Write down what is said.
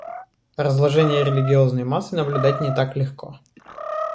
Разложение религиозной массы наблюдать не так легко.